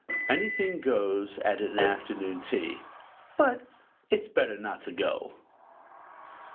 Anything goes at an afternoon tea. But it's better not to go.